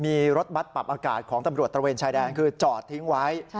มีรถบัตรปรับอากาศของตำรวจตระเวนชายแดนคือจอดทิ้งไว้